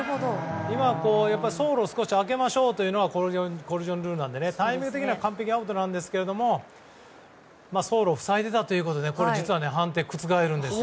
今、走路を少し開けましょうというのがコリジョンルールなのでタイミング的には完璧にアウトですが走路を塞いでいたということで実は、判定が覆るんです。